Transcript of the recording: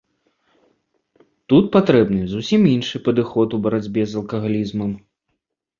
Тут патрэбны зусім іншы падыход у барацьбе з алкагалізмам.